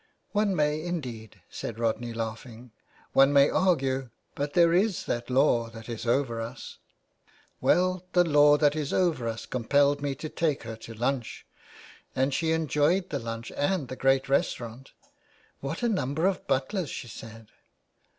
One may indeed," said Rodney, laughing, "one may argue, but there is that law that is over us." " Well, the law that is over us compelled me to take her to lunch, and she enjoyed the lunch and the great restaurant. ' What a number of butlers,' she said.